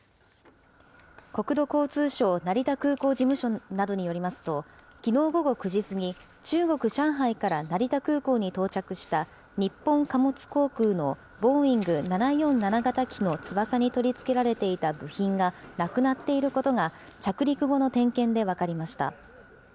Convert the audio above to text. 国土交通省成田空港事務所などによりますと、きのう午後９時過ぎ、中国・上海から成田空港に到着した日本貨物航空のボーイング７４７型機の翼に取り付けられていた部品がなくなっていることが着陸後の点検で分かりました。